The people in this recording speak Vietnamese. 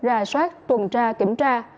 rà soát tuần tra kiểm tra